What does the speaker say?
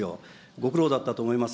ご苦労だったと思います。